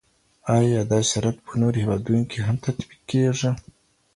ایا دا شرایط په نورو هیوادونو کي هم تطبیق کیږي؟